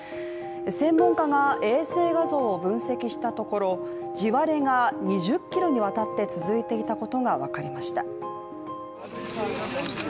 専門家が衛星画像を分析したところ地割れが２０ｋｍにわたって続いていたことが分かりました。